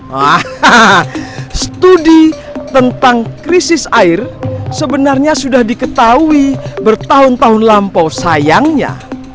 hahaha studi tentang krisis air sebenarnya sudah diketahui bertahun tahun lampau sayangnya